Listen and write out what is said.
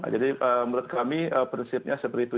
jadi menurut kami prinsipnya seperti itu